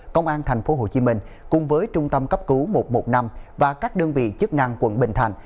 công an tp hcm cùng với trung tâm cấp cứu một trăm một mươi năm và các đơn vị chức năng quận bình thạnh